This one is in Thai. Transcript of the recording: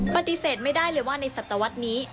ปฏิเสธไม่ได้เลยว่าในศัตวรรษนี้